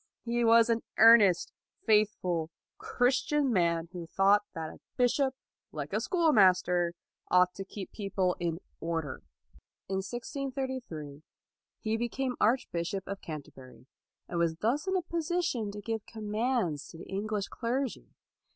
He was an earnest, faith ful, Christian man who thought that a bishop, like a schoolmaster, ought to keep people in order. In 1633, he became Archbishop of Can 222 LAUD terbury, and was thus in a position to give commands to the English clergy.